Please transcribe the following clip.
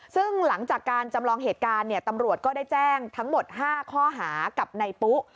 ซึ่งหลังจากการจำลองเหตุการณ์เนี่ยตำรวจก็ได้แจ้งทั้งหมด๕ข้อหากับนายปุ๊